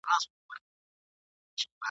هر سړی به مستقیم پر لاري تللای !.